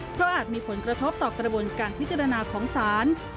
เพราะอาจมีผลกระทบต่อกระบวนการพิจารณาของศาล